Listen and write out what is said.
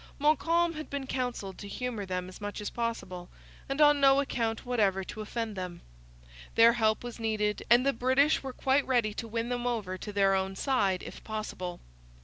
Montcalm had been counselled to humour them as much as possible and on no account whatever to offend them. Their help was needed, and the British were quite ready to win them over to their own side if possible.